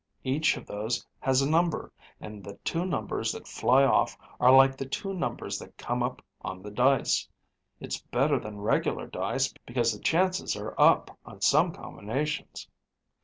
Each of those has a number and the two numbers that fly off are like the two numbers that come up on the dice. It's better than regular dice because the chances are up on some combinations.